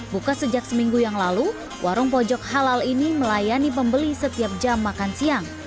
buka sejak seminggu yang lalu warung pojok halal ini melayani pembeli setiap jam makan siang